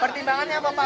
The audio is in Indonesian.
pertimbangannya apa pak